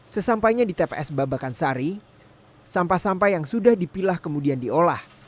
sesampainya di tps babakan sari sampah sampah yang sudah dipilah kemudian diolah